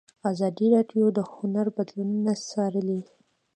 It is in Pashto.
ازادي راډیو د هنر بدلونونه څارلي.